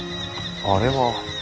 あれは。